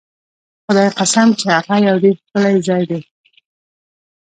په خدای قسم چې هغه یو ډېر ښکلی ځای دی.